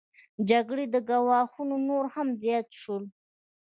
جګړې او ګواښونه نور هم زیات شول